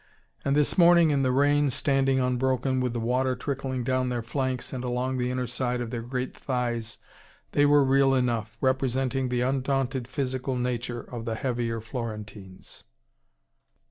And this morning in the rain, standing unbroken, with the water trickling down their flanks and along the inner side of their great thighs, they were real enough, representing the undaunted physical nature of the heavier Florentines.